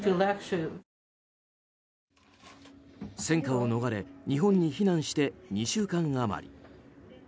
戦火を逃れ日本に避難して２週間余り。